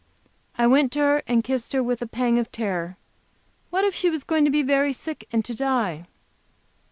I went to her and kissed her with a pang of terror. What if she were going to be very sick, and to die?